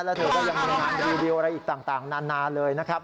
แล้วเธอก็ยังมีงานรีวิวอะไรอีกต่างนานเลยนะครับ